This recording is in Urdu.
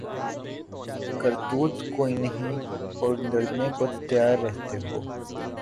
کرتوت کوئی نہیں اور لڑنے کو تیار رہتے ہو